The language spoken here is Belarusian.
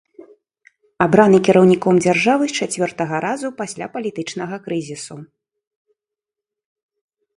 Абраны кіраўніком дзяржавы з чацвёртага разу пасля палітычнага крызісу.